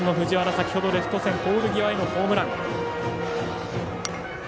先ほどレフト線ポール際へのホームラン。